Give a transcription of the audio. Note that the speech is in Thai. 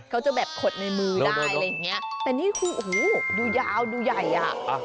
เขาจะแบบขดในมือได้อะไรอย่างเงี้ยแต่นี่คือโอ้โหดูยาวดูใหญ่อ่ะ